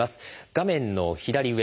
画面の左上